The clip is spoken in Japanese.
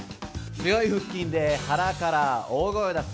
強い腹筋で腹から大声を出す。